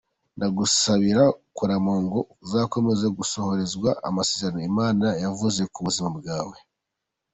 Ndagusabira kurama ngo uzakomeze gusohorezwa amasezerano Imana yavuze ku buzima bwawe.